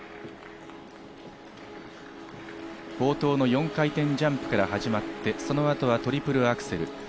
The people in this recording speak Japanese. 冒頭の４回転ジャンプから始まって、その後はトリプルアクセル。